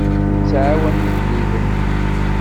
Nettɛawan igellilen.